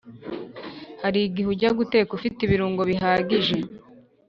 hari igihe ujya guteka ufite ibirungo bihagije